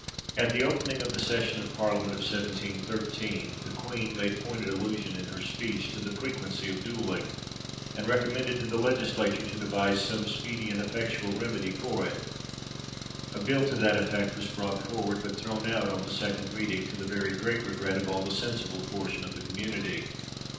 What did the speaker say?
At the opening of the session of Parliament of 1713, the queen made pointed allusion in her speech to the frequency of duelling, and recommended to the legislature to devise some speedy and effectual remedy for it. A bill to that effect was brought forward, but thrown out on the second reading, to the very great regret of all the sensible portion of the community.